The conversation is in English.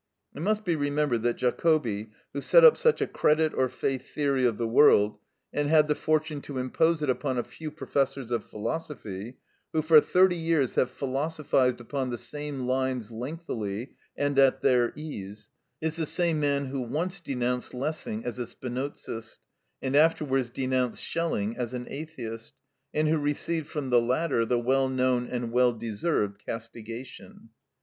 It must be remembered that Jacobi, who set up such a credit or faith theory of the world, and had the fortune to impose it upon a few professors of philosophy, who for thirty years have philosophised upon the same lines lengthily and at their ease, is the same man who once denounced Lessing as a Spinozist, and afterwards denounced Schelling as an atheist, and who received from the latter the well known and well deserved castigation.